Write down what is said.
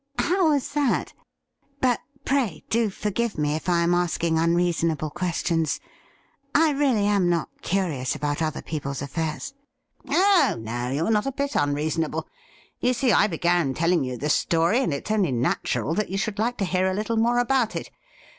' How was that .' But pray do forgive me if I am asking unreasonable questions. I really am not curious about other people's afikirs.' ' Oh no, you are not a bit unreasonable. You see, I began telling you the story, and it's only natural that you should like to hear a little more about it.